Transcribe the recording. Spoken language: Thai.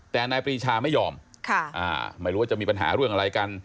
แต่นายปรีชาไม่ยอมไม่รู้ว่าจะมีปัญหาเรื่องอะไรกัน